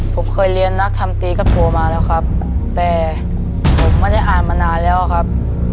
ผมเคยเรียนนักทำตีกระโพมาแล้วครับแต่ผมไม่ได้อ่านมานานแล้วครับ